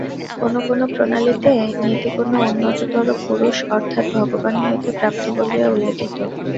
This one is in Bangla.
কোন কোন প্রণালীতে নীতি কোন উন্নততর পুরুষ অর্থাৎ ভগবান হইতে প্রাপ্ত বলিয়া উল্লিখিত।